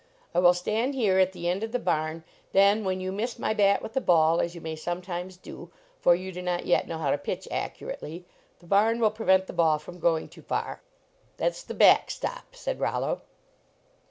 I will stand here at the end of the barn, then when you miss my bat with the ball, as you may sometimes do, for you do not yet know how to pitch ac curately, the barn will prevent the ball from going too far." "That s the back stop," said Rollo.